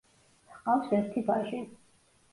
ჰყავს ერთი ვაჟი.